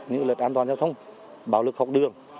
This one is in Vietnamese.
như luật an toàn giao thông bạo lực học đường